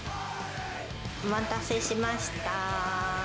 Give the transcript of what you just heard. お待たせしました。